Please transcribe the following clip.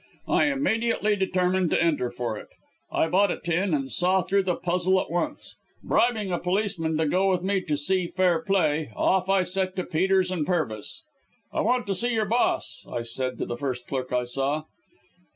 I immediately determined to enter for it. I bought a tin and saw through the puzzle at once. Bribing a policeman to go with me to see fair play, off I set to Peters & Pervis'. "'I want to see your boss,' I said to the first clerk I saw.